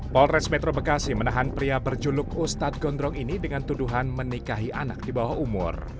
polres metro bekasi menahan pria berjuluk ustadz gondrong ini dengan tuduhan menikahi anak di bawah umur